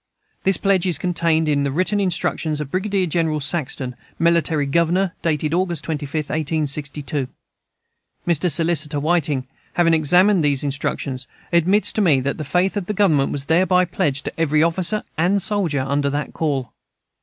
This pledge is contained in the written instructions of Brigadier General Saxton, Military Governor, dated August 25, 1862. Mr. Solicitor Whiting, having examined those instructions, admits to me that "the faith of the Government was thereby pledged to every officer and soldier under that call."